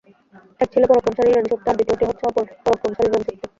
এক ছিল পরাক্রমশালী ইরানী শক্তি আর দ্বিতীয়টি হচ্ছে অপর পরাক্রমশালী রোম শক্তি।